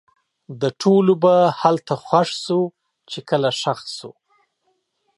د ټولو به هلته خوښ شو؛ چې کله ښخ سو